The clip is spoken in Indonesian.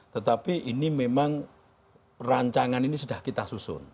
tetapi ini memang rancangan ini sudah kita susun